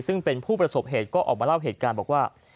ซึ่งเป็นผู้ประสบเหตุก็ออกมาเล่าเหตุการณ์บอกว่า